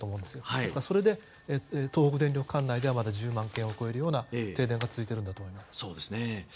ですから、それで東京電力管内ではまだ１０万軒を超えるような停電が続いているんだと思います。